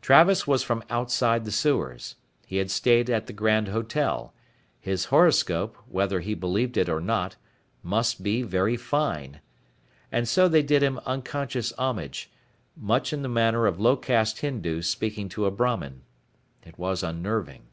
Travis was from outside the sewers, he had stayed at the grand hotel his horoscope, whether he believed it or not, must be very fine. And so they did him unconscious homage, much in the manner of low caste Hindus speaking to a Bramin. It was unnerving.